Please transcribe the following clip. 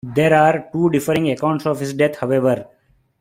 There are two differing accounts of his death, however.